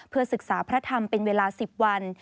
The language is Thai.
ศึกษาพระธรรมเป็นเวลา๑๐วัน